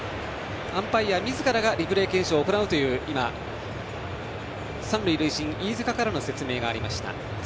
アンパイアみずからがリプレイ検証を行うという今、三塁塁審の飯塚からの説明がありました。